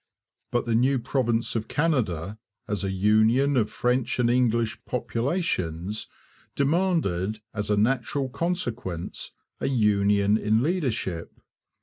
But the new province of Canada, as a union of French and English populations, demanded, as a natural consequence, a union in leadership.